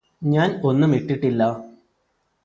ഞാന് ഒന്നുമിട്ടിട്ടില്ലാ